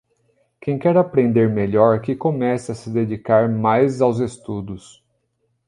quem quer aprender melhor que comesse a se dedicar mais aos estudos